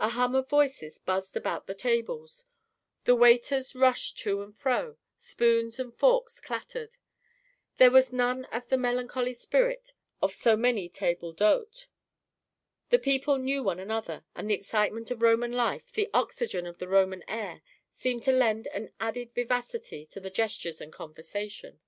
A hum of voices buzzed around the tables; the waiters rushed to and fro; spoons and forks clattered. There was none of the melancholy spirit of so many tables d'hôte. The people knew one another; and the excitement of Roman life, the oxygen in the Roman air seemed to lend an added vivacity to the gestures and conversation.